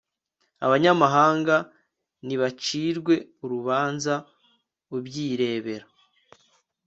abanyamahanga nibacirwe urubanza, ubyirebera